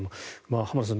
浜田さん